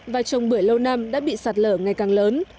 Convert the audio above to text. và trồng bưởi lâu năm đã bị sạt lở ngày càng lớn